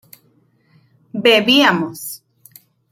bebíamos